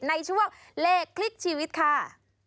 ในช่วงเลขคลิกชีวิตค่ะ